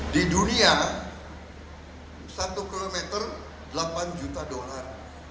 di dunia satu kilometer delapan juta dolar